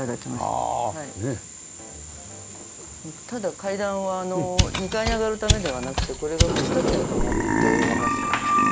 ただ階段はあの２階に上がるためではなくてこれがもうひと部屋と思ってまして。